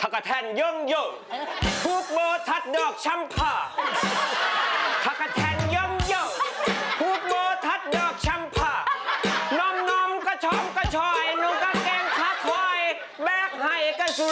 คนบ้านเรากางเกงขาก๊วย